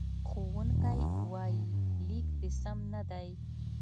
ښوونکی وایي، لیک دې سم نه دی.